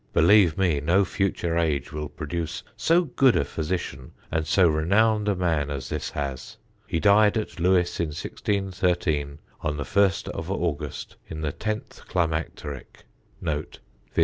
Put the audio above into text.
Believe me, no future age will produce so good a physician and so renowned a man as this has. He died at Lewes in 1613, on the 1st of August, in the tenth climacteric, (viz. 70)."